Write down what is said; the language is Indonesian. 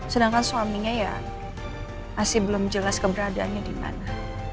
sedangkan suaminya ya masih belum jelas keberadaannya di mana